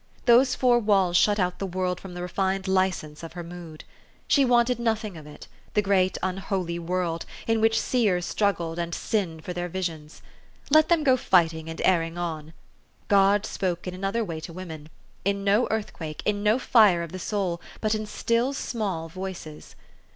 Those four walls shut out the world from the refined license of her mood. She wanted nothing of it, the great unholy world, in which seers struggled and sinned for their visions. Let them go fighting and erring on. God spoke in another way to women, in no earthquake, in no fire of the soul, but in still small voices.